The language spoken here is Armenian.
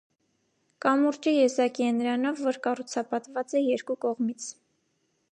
Կամուրջը եզակի է նրանով, որ կառուցապատված է երկու կողմից։